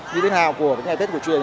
như thế nào của ngày tết của truyền